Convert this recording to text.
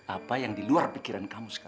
apa yang di luar pikiran kamu sekarang